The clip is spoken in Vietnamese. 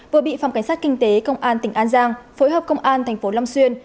vừa bị phòng cảnh sát kinh tế công an tỉnh an giang phối hợp công an tp long xuyên